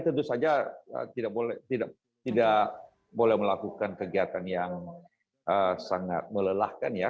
tentu saja tidak boleh melakukan kegiatan yang sangat melelahkan ya